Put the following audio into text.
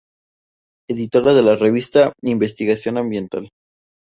Editora de la revista "Investigación ambiental.